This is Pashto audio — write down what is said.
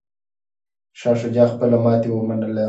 شاه شجاع خپله ماته منلې وه.